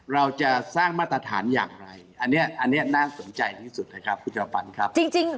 เราจะสร้างมาตรฐานอย่างไรอันเนี่ยน่าสนใจที่สุดครับพี่จอบปันครับ